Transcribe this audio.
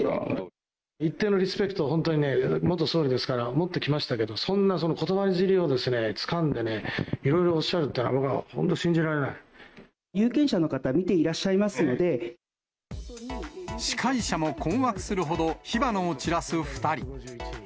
一定のリスペクトを本当にね、元総理ですから、持ってきましたけど、そんなことばじりをつかんでね、いろいろおっしゃるというのは、有権者の方、見ていらっしゃ司会者も困惑するほど、火花を散らす２人。